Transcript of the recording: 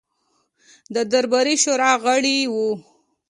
د درباري شورا غړی وو.